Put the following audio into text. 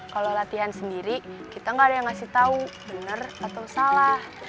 kalau latihan sendiri kita nggak ada yang ngasih tahu benar atau salah